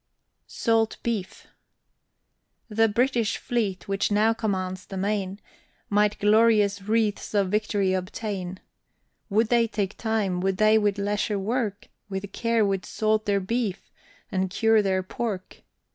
SALT BEEF. The British fleet, which now commands the main, Might glorious wreaths of victory obtain, Would they take time, would they with leisure work, With care would salt their beef, and cure their pork.